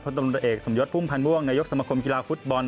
ตำรวจเอกสมยศพุ่มพันธ์ม่วงนายกสมคมกีฬาฟุตบอล